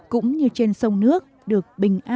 cũng như trên sông nước